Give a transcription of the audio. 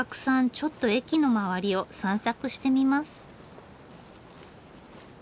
ちょっと駅の周りを散策してみます。